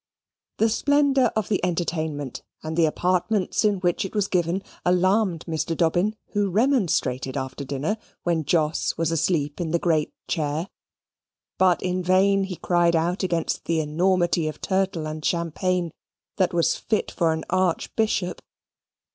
The splendour of the entertainment, and the apartments in which it was given, alarmed Mr. Dobbin, who remonstrated after dinner, when Jos was asleep in the great chair. But in vain he cried out against the enormity of turtle and champagne that was fit for an archbishop.